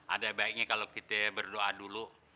ada baiknya kalau kita berdoa dulu